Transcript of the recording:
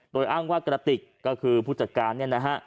โดยอ้างว่ากระติกก็คือผู้จัดการเนี่ยนะฮะ